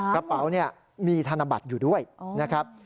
กระเป๋าเนี่ยมีธนบัตรอยู่ด้วยนะครับ